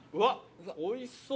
おいしそう。